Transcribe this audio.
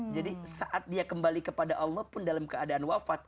jadi saat dia kembali kepada allah pun dalam keadaan wafat